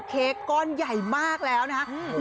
เค้กก้อนใหญ่มากแล้วนะครับ